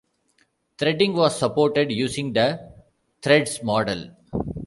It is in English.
Threading was supported using the Pthreads model.